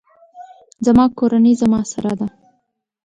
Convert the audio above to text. زما کورنۍ زما سره ده